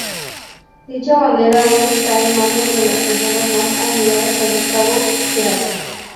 Dicha bandera hoy está en manos de las personas más allegadas a Gustavo Cerati.